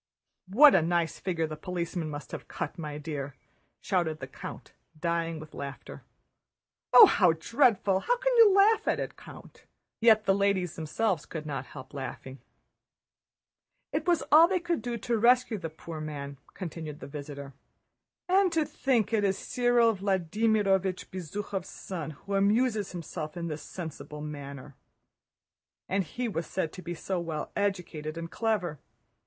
"What a nice figure the policeman must have cut, my dear!" shouted the count, dying with laughter. "Oh, how dreadful! How can you laugh at it, Count?" Yet the ladies themselves could not help laughing. "It was all they could do to rescue the poor man," continued the visitor. "And to think it is Cyril Vladímirovich Bezúkhov's son who amuses himself in this sensible manner! And he was said to be so well educated and clever.